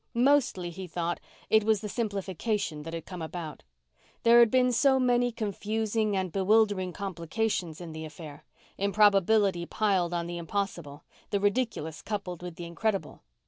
Mostly, he thought, it was the simplification that had come about. There had been so many confusing and bewildering complications in the affair; improbability piled on the impossible; the ridiculous coupled with the incredible.